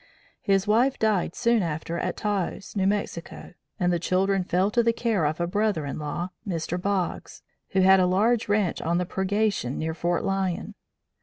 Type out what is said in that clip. His wife died soon after at Taos, New Mexico, and the children fell to the care of a brother in law, Mr. Boggs, who had a large ranche on the Purgation near Fort Lyon.